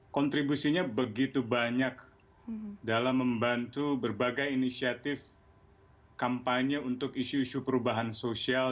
kontribusinya begitu banyak dalam membantu berbagai inisiatif kampanye untuk isu isu perubahan sosial